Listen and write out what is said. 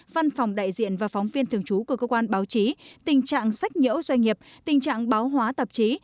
văn phòng đại diện và phóng viên thường trú của cơ quan báo chí tình trạng sách nhũ doanh nghiệp tình trạng báo hóa tạp chí